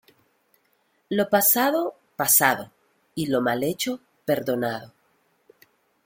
Lo pasado, pasado, y lo mal hecho, perdonado.